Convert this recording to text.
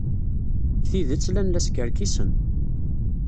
Deg tidet, llan la skerkisen.